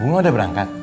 bunga udah berangkat